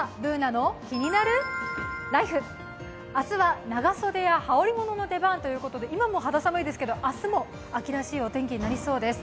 「ＢｏｏｎａのキニナルＬＩＦＥ」明日は長袖や羽織り物の出番ということで今も肌寒いですけど、明日も、秋らしいお天気になりそうです。